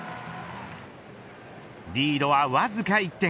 リードはわずか１点